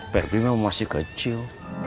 febri memang masih kecil